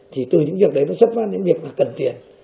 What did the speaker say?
thì từ những việc đấy nó xuất phát đến những việc là cần tiền